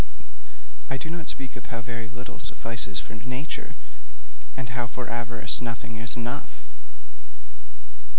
I do not speak of how very little suffices for nature, and how for avarice nothing is enough.